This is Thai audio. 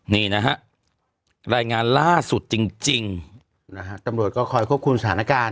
นี่นะฮะรายงานล่าสุดจริงนะฮะตำรวจก็คอยควบคุมสถานการณ์